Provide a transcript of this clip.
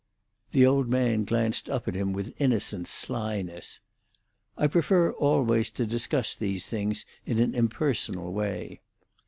The old man glanced up at him with innocent slyness. "I prefer always to discuss these things in an impersonal way."